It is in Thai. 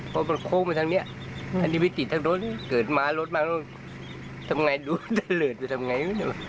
เพราะมันโค้งไปทางเนี่ยอันนี้ไปติดทางรถเกิดมารถมาทำไงดูเลิศไปทำไง